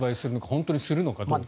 本当にするのかどうか。